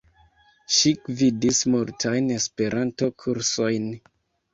Ŝi gvidis multajn Esperanto-kursojn.